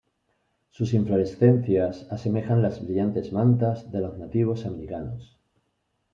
Sus inflorescencias asemejan las brillantes mantas de los nativos americanos.